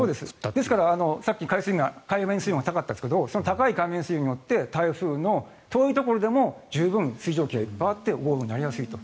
ですからさっき海面水温が高かったですけどその高い海面水温によって台風の遠いところでも水蒸気がいっぱいあって豪雨になりやすいと。